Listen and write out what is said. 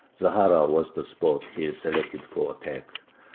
Zahara was the spot he selected for attack.